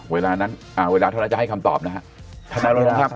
เวลานั้นเวลาเท่านั้นจะให้คำตอบนะฮะ